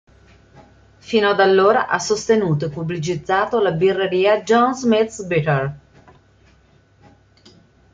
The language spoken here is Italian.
Fino da allora ha sostenuto e pubblicizzato la birreria "John Smith's Bitter".